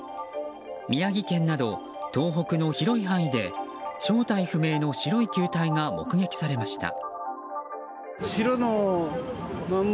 宮城県など東北の広い範囲で正体不明の白い物体が目撃されました。